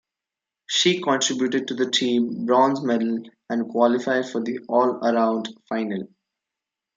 She contributed to the team bronze medal and qualified for the all-around final.